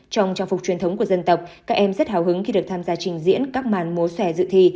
trong trang phục truyền thống của dân tộc các em rất hào hứng khi được tham gia trình diễn các màn múa xòe dự thi